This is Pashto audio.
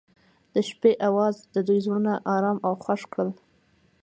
د شپه اواز د دوی زړونه ارامه او خوښ کړل.